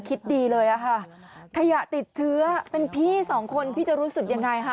คิดดีเลยอะค่ะขยะติดเชื้อเป็นพี่สองคนพี่จะรู้สึกยังไงคะ